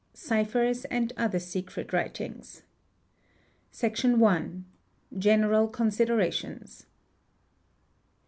CIPHERS AND OTHER SECRET WRITINGS. ie Section i.—General Considerations.